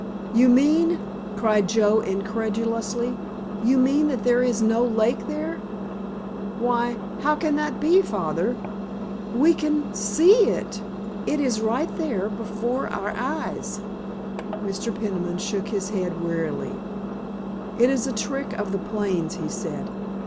"You mean"—cried Joe, incredulously—"you mean that there is no lake there? Why, how can that be, Father? We can see it; it is right there before our eyes——" Mr. Peniman shook his head wearily. "It is a trick of the plains," he said.